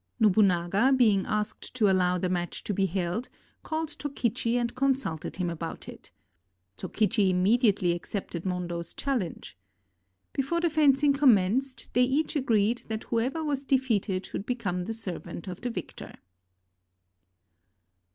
Nobunaga, being asked to allow the match to be held, called Tokichi and consulted him about it. Tokichi im mediately accepted Hondo's challenge. Before the fenc ing commenced, they each agreed that whoever was defeated should become the servant of the victor.